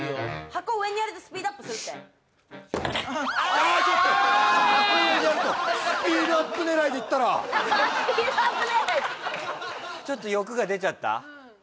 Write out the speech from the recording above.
箱上にやるとスピードアップするってあスピードアップ狙いちょっと欲が出ちゃった？